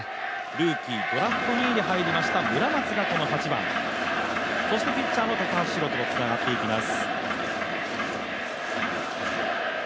ルーキー・ドラフト２位で入りました、村松が８番そしてピッチャーの高橋宏斗とつながっていきます。